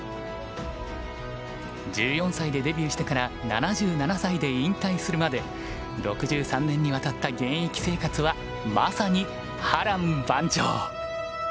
１４歳でデビューしてから７７歳で引退するまで６３年にわたった現役生活はまさに波乱万丈。